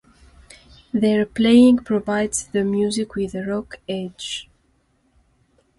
Their playing provides the music with a rock edge.